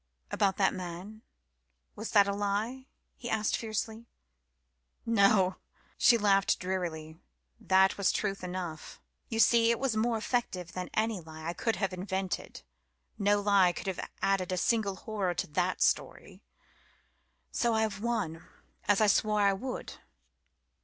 "About that man was that a lie?" he asked fiercely. "No," she laughed drearily. "That was true enough. You see, it was more effective than any lie I could have invented. No lie could have added a single horror to that story! And so I've won as I swore I would!"